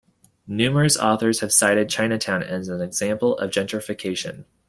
Numerous authors have cited Chinatown as an example of gentrification.